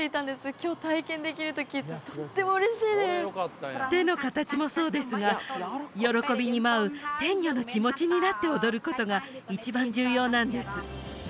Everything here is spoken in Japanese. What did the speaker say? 今日体験できると聞いてとっても嬉しいです手の形もそうですが喜びに舞う天女の気持ちになって踊ることが一番重要なんです